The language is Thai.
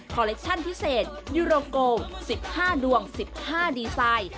เลคชั่นพิเศษยูโรโก๑๕ดวง๑๕ดีไซน์